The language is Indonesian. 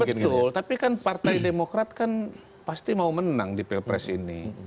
betul tapi kan partai demokrat kan pasti mau menang di pilpres ini